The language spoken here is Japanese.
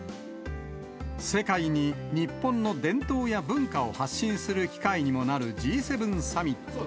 世界に日本の伝統や文化を発信する機会にもなるＧ７サミット。